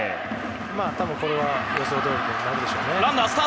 多分これは予想どおりでしょう。